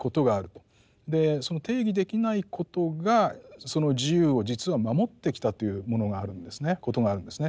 その定義できないことがその自由を実は守ってきたということがあるんですね。